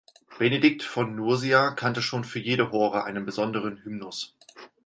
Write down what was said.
Benedikt von Nursia kannte schon für jede Hore einen besonderen Hymnus.